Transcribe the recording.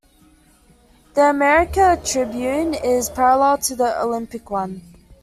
The "America" Tribune is parallel to the" Olympic" one.